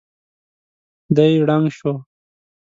دی ړنګ شو.